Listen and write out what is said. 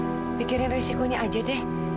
saya pikirin risikonya aja deh